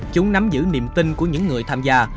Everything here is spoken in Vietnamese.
chúng nắm giữ niềm tin của những người tham gia